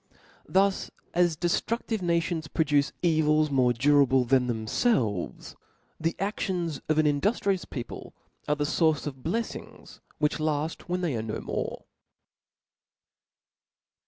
Thus, as deftruftive nations produce evils more durable than themfelves; the aftions of an in duftrious people are the fource of bleffings which |all when they are no more.